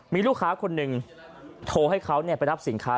มีลูกค้าคนหนึ่งโทรให้เขาไปรับสินค้า